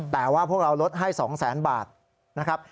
แต่ว่าพวกเราลดให้๒แสนบาทนะครับ